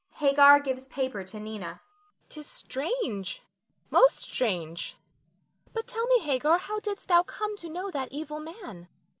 [Hagar gives paper to Nina.] Nina. 'Tis strange, most strange. But tell me, Hagar, how didst thou come to know that evil man?